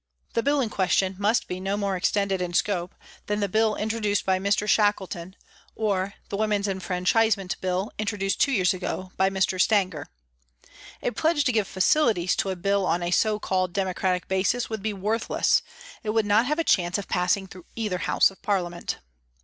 The Bill in question must be no more extended in scope than the Bill introduced by Mr. Shackleton or the Women's Enfranchisement Bill introduced two years ago by Mr. Stanger. A pledge to give facilities to a Bill on 316 a so called democratic basis would be worthless, it would not have a chance of passing through either House of Parliament.